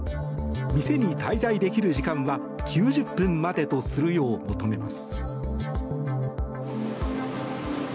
店に滞在できる時間は９０分までとするよう求めます。